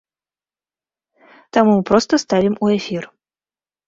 Таму мы проста ставім у эфір.